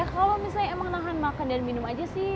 kalau misalnya emang nahan makan dan minum aja sih